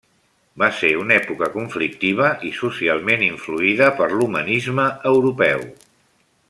Va ser una època conflictiva i socialment influïda per l'humanisme europeu.